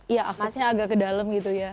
iya aksesnya agak ke dalam gitu ya